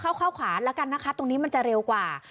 เข้าทางขวาตะกันตรงนี้มันจะเร็วกว่า